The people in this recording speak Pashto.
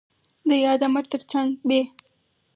د ياد امر تر څنګ ب